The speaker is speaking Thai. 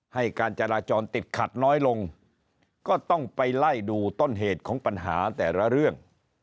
ให้การจราจรติดขัดน้อยลงก็ต้องไปไล่ดูต้นเหตุของปัญหาแต่ละเรื่อง